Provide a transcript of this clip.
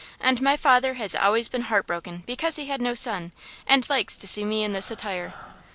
And my father has always been heart broken because he had no son, and likes to see me in this attire.